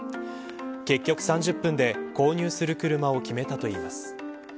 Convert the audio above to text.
結局３０分で購入する車を決めたといいます。